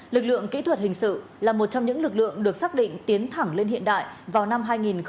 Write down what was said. lực lượng kỹ thuật hình sự là một trong những lực lượng được xác định tiến thẳng lên hiện đại vào năm hai nghìn hai mươi